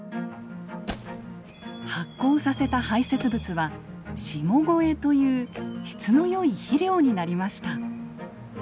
発酵させた排せつ物は「下肥」という質の良い肥料になりました。